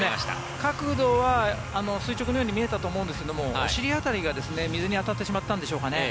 角度は垂直のように見えたと思うんですけどもお尻辺りが水に当たってしまったんでしょうか。